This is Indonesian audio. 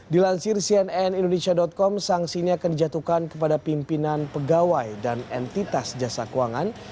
dilansir cnn indonesia com sanksi ini akan dijatuhkan kepada pimpinan pegawai dan entitas jasa keuangan